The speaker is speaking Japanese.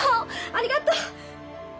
ありがとう！